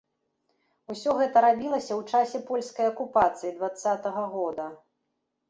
Усё гэта рабілася ў часе польскай акупацыі дваццатага года.